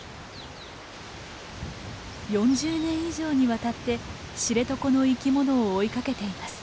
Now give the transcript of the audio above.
４０年以上にわたって知床の生きものを追いかけています。